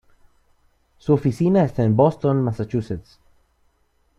Su oficina esta en Boston, Massachusetts.